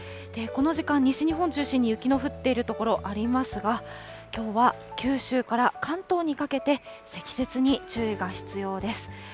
この時間、西日本を中心に雪の降っている所ありますが、きょうは九州から関東にかけて、積雪に注意が必要です。